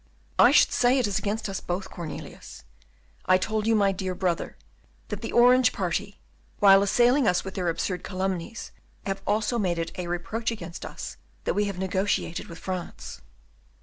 "I should say it is against us both, Cornelius. I told you, my dear brother, that the Orange party, while assailing us with their absurd calumnies, have also made it a reproach against us that we have negotiated with France."